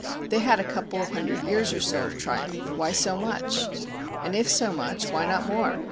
They had a couple of hundred years or so of triumph—why so much? And if so much, why not more?